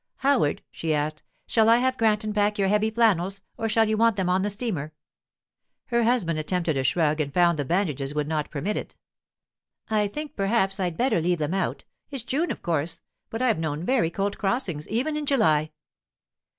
'Howard,' she asked, 'shall I have Granton pack your heavy flannels, or shall you want them on the steamer?' Her husband attempted a shrug and found the bandages would not permit it. 'I think perhaps I'd better leave them out. It's June, of course; but I've known very cold crossings even in July.